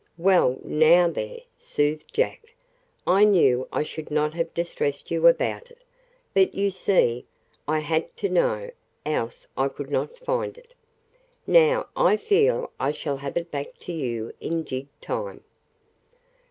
"Well, now there!" soothed Jack. "I knew I should not have distressed you about it. But, you see, I had to know, else I could not find it. Now I feel I shall have it back to you in jig time.